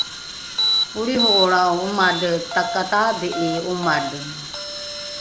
olriho’olrao omale takataadhi’i omale